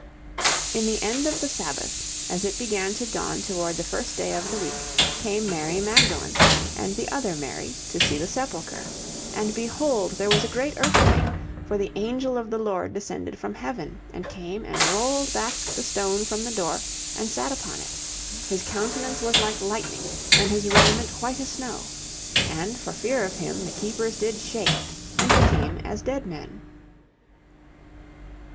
In the end of the Sabbath, as it began to dawn toward the first day of the week, came Mary Magdalene, and the other Mary, to see the Sepulchre. And, behold, there was a great earthquake: for the Angel of the Lord descended from Heaven, and came and rolled back the stone from the door, and sat upon it. His countenance was like lightning, and his raiment white as snow: And for fear of him the keepers did shake, and became as dead men.